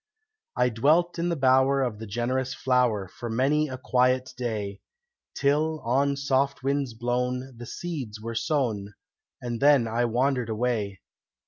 I dwelt in the bower of the generous flower For many a quiet day, Till, on soft winds blown, the seeds were sown; And then I wandered away.